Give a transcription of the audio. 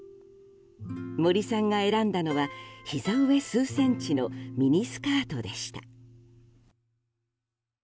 森さんが選んだのはひざ上数センチのミニスカートでした。